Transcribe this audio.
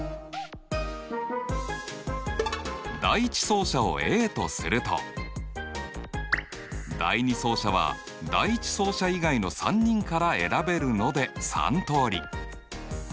第１走者をＡとすると第２走者は第１走者以外の３人から選べるので３通り。